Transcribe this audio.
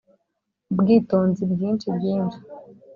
ubwitonzi bwinshi bwinshi